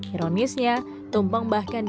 ironisnya tumpeng bahkan dianggap kuno